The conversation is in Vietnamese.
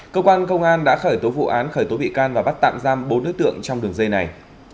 cơ quan công an đã khởi tố vụ án khởi tố bị can và bắt tạm giam bốn đối tượng trong đường dây này